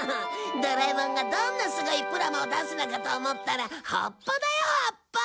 ドラえもんがどんなすごいプラモを出すのかと思ったら葉っぱだよ葉っぱ！